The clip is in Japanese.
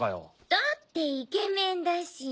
だってイケメンだし。